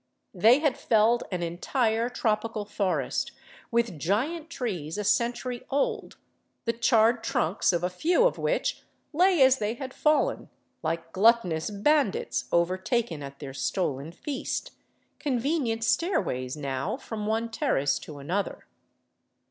They had felled an entire tropical forest, with giant trees a century old, the charred trunks of a few of which lay as they had fallen, like glutton ous bandits overtaken at their stolen feast, convenient stairways now from one terrace to another.